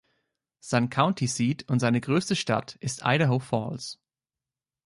Sein County Seat und seine größte Stadt ist Idaho Falls.